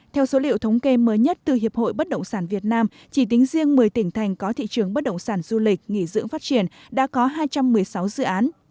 theo số liệu thống kê mới nhất từ hiệp hội bất động sản việt nam chỉ tính riêng một mươi tỉnh thành có thị trường bất động sản du lịch nghỉ dưỡng phát triển đã có hai trăm một mươi sáu dự án